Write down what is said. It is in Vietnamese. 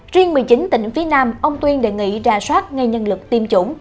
riêng một mươi chín tỉnh phía nam ông tuyên đề nghị ra soát ngay nhân lực tiêm chủng